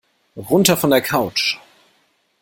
Runter von der Couch!